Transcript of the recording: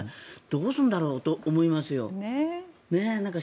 どうするんだろうと思いますよ。